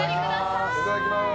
いただきます！